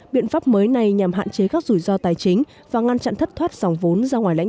biện pháp mới này nhằm hạn chế các rủi ro tài chính và ngăn chặn thất thoát dòng vốn ra ngoài lãnh